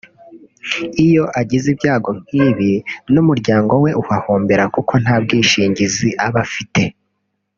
iyo agize ibyago nk’ibi ni umuryango we uhahombera kuko nta bwishingizi aba afite